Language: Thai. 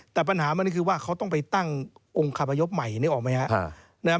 แต่ปัญหามันคือว่าเขาต้องไปตั้งองค์ขับประยบใหม่เนี่ยออกมั้ยครับ